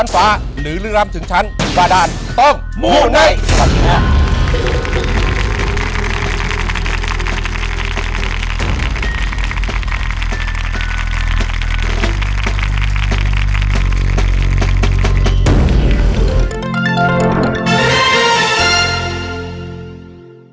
โปรดติดตามตอนต่อไป